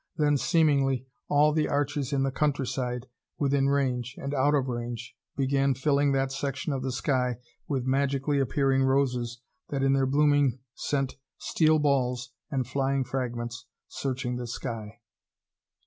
Then, seemingly, all the Archies in the countryside, within range and out of range, began filling that section of the sky with magically appearing roses that in their blooming sent steel balls and flying fragments searching the sky.